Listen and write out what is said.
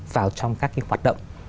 vào trong các cái hoạt động